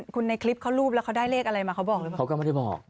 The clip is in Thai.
คุณในคลิปเขารูปแล้วเขาได้เลขอะไรมาเขาบอกหรือเปล่า